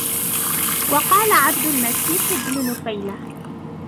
وَقَالَ عَبْدُ الْمَسِيحِ بْنُ نُفَيْلَةَ